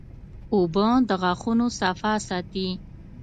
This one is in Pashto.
اوبه د غاښونو صفا ساتي